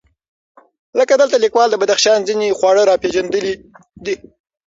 لکه دلته لیکوال د بدخشان ځېنې خواړه راپېژندلي دي،